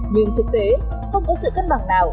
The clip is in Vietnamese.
nhưng thực tế không có sự cân bằng nào